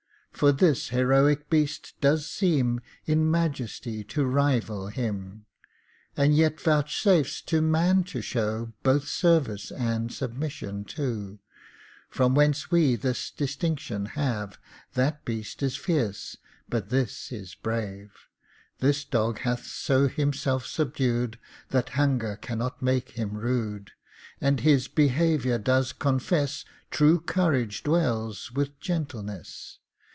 For this heroic beast does seem In majesty to rival him, And yet vouchsafes to man to show Both service and submission, too. From whence we this distinction have, That beast is fierce, but this is brave. This dog hath so himself subdued That hunger cannot make him rude, And his behavior does confess True courage dwells with gentleness.